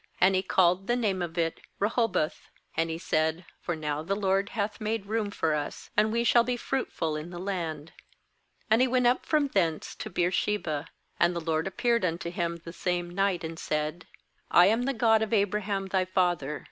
And he called the name of it bRehoboth; and he said: 'For now the LORD hath made room for us, and we shall be fruitful in the land.' ^And he went up from thence to Beer sheba. MAnd the LORD appeared unto him the same night, and said: 'I am the God of Abraham thy father.